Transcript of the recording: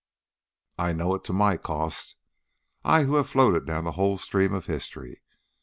I know it to my cost, I who have floated down the whole stream of history.